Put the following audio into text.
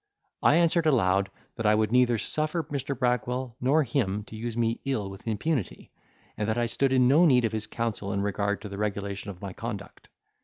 I answered aloud, that I would neither suffer Mr. Bragwell nor him to use me ill with impunity; and that I stood in no need of his counsel in regard to the regulation of my conduct.